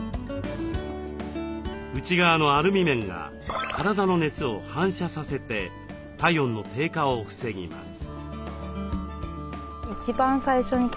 内側のアルミ面が体の熱を反射させて体温の低下を防ぎます。